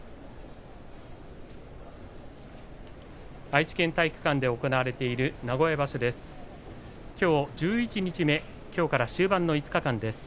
愛知県体育館で行われている名古屋場所です。